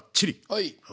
はい！